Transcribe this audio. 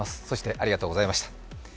そして、ありがとうございました。